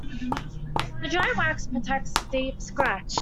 The dry wax protects the deep scratch.